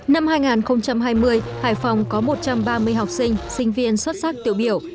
năm hai nghìn hai mươi hải phòng có một trăm ba mươi học sinh sinh viên xuất sắc tiêu biểu